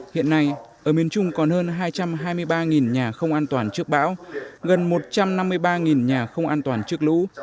hiện nay ở miền trung còn hơn hai trăm hai mươi ba nhà không an toàn trước bão gần một trăm năm mươi ba nhà không an toàn trước lũ